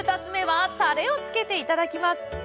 ２つ目はタレをつけていただきます！